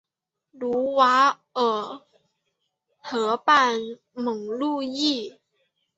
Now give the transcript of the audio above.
卢瓦尔河畔蒙路易。